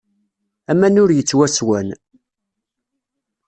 Aman ur yettwasswan.